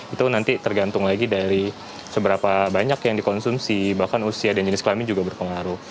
itu nanti tergantung lagi dari seberapa banyak yang dikonsumsi bahkan usia dan jenis kelamin juga berpengaruh